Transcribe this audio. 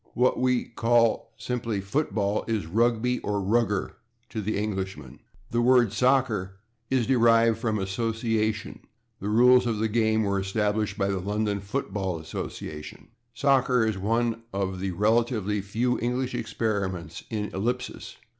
What we call simply football is /Rugby/ or /Rugger/ to the Englishman. The word /soccer/ is derived from /association/; the rules of the game were [Pg112] established by the London Football Association. /Soccer/ is one of the relatively few English experiments in ellipsis.